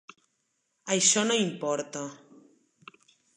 Això no importa.